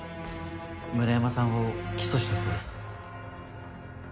村山さんを起訴したそうです。